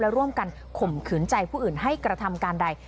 และร่วมกันข่มขืนใจผู้อื่นให้กระทำการใด